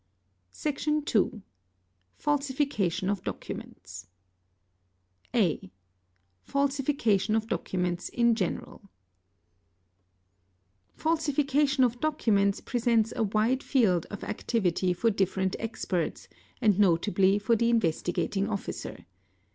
Section ii.—Falsification of Documents. A. Falsification of documents in general (1130—1140), Falsification of documents presents a wide field of activity for different experts and notably for the Investigating Officer.